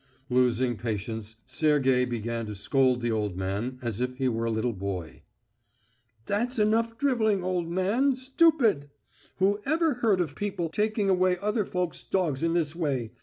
Losing patience, Sergey began to scold the old man as if he were a little boy. "That's enough drivelling, old man, stupid! Who ever heard of people taking away other folks' dogs in this way?